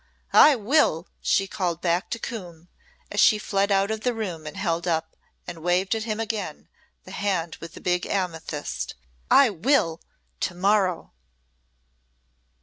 I will!" she called back to Coombe as she fled out of the room and she held up and waved at him again the hand with the big amethyst. "I will, to morrow!"